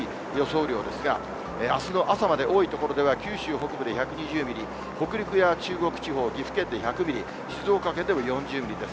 雨量ですが、あすの朝まで多い所では、九州北部で１２０ミリ、北陸や中国地方、岐阜県で１００ミリ、静岡県でも４０ミリです。